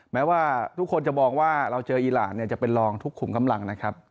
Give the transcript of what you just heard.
แม้ว่าทุกคนจะมองว่าเราเจออีรานเนี่ยจะเป็นรองทุกขุมกำลังนะครับ